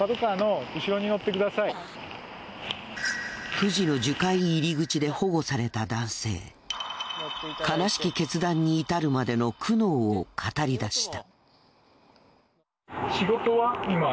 富士の樹海入り口で保護された男性悲しき決断に至るまでの苦悩を語りだした。